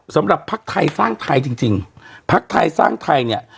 สำหรับภักดิ์ไทยสร้างไทยจริงจริงพักไทยสร้างไทยเนี่ย